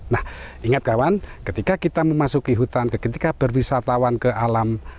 nah ingat kawan ketika kita memasuki hutan ketika berwisatawan ke alam